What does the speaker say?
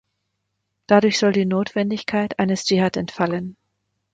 Dadurch soll die Notwendigkeit eines Dschihad entfallen.